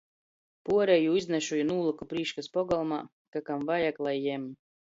Puorejū iznešu i nūlyku prīškys pogolmā. Ka kam vajag, lai jem.